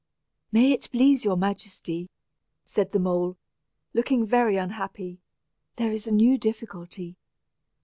"May it please your Majesty," said the mole, looking very unhappy, "there is a new difficulty.